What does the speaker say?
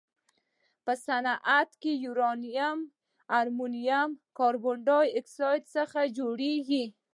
په صنعت کې یوریا له امونیا او کاربن ډای اکسایډ څخه جوړیږي.